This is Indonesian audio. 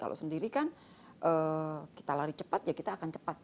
kalau sendiri kan kita lari cepat ya kita akan cepat